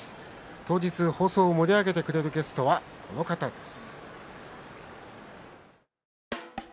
当日の放送を盛り上げてくれるゲストはこの方です。